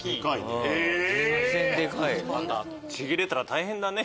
ちぎれたら大変だね。